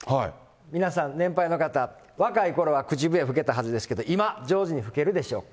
皆さん、年配の方、若いころは口笛吹けたはずですけど、今、上手に吹けるでしょうか。